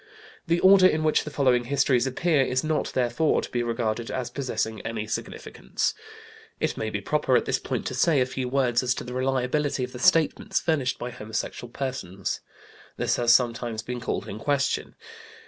The order in which the following histories appear is not, therefore, to be regarded as possessing any significance. It may be proper, at this point, to say a few words as to the reliability of the statements furnished by homosexual persons. This has sometimes been called in question.